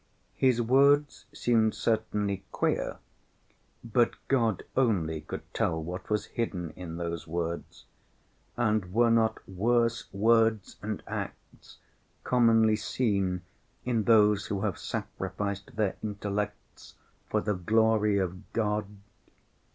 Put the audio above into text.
His words seemed certainly queer, but God only could tell what was hidden in those words, and were not worse words and acts commonly seen in those who have sacrificed their intellects for the glory of God?